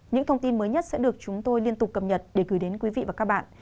những thông tin mới nhất sẽ được chúng tôi liên tục cập nhật để gửi đến quý vị và các bạn